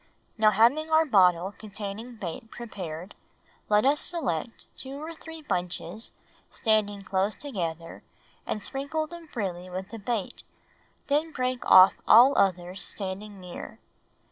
Now having our bottle containing bait prepared, let us select two or three bunches standing close together and sprinkle them freely with the bait, then break off all others standing near.